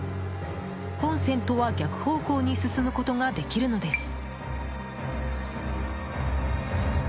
本線とは逆方向に進むことができるのです。